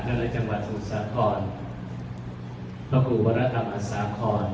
เจ้าในจังหวัดภูสาคอนพระบุพระธรรมศาคอน